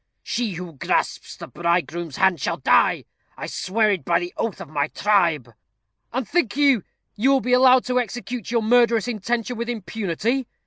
She who grasps the bridegroom's hand shall die. I swear it by the oath of my tribe." "And think you, you will be allowed to execute your murderous intention with impunity?"